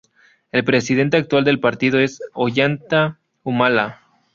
El presidente actual del partido es Ollanta Humala.